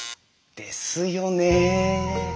ですよね。